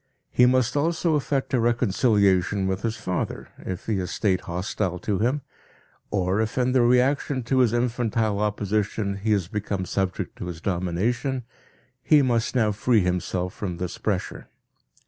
He must also effect a reconciliation with his father, if he has stayed hostile to him, or if in the reaction to his infantile opposition he has become subject to his domination, he must now free himself from this pressure.